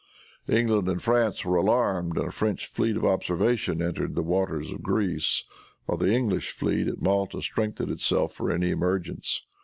England and France were alarmed, and a French fleet of observation entered the waters of Greece, while the English fleet at Malta strengthened itself for any emergence.